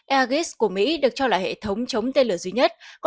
agis của mỹ được cho là hệ thống chống tên lửa duy nhất